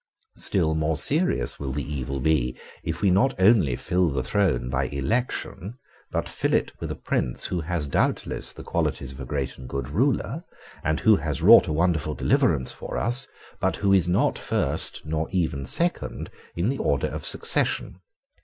Still more serious will the evil be, if we not only fill the throne by election, but fill it with a prince who has doubtless the qualities of a great and good ruler, and who has wrought a wonderful deliverance for us, but who is not first nor even second in the order of succession.